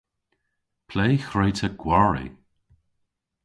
Ple hwre'ta gwari?